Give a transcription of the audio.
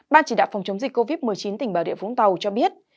ban chỉ đạo phòng chống dịch covid một mươi chín tỉnh bảo địa phú tàu cho biết